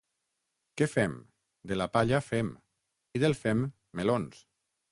Què fem? —De la palla, fem. —I del fem, melons.